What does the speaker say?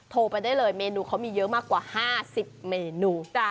โทรไปได้เลยเมนูเขามีเยอะมากกว่า๕๐เมนู